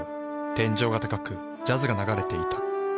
天井が高くジャズが流れていた。